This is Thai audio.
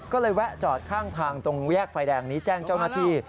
ก็เลยแวะจอดข้างทางตรงแยกไฟแดงนี้แจ้งเจ้าหน้าที่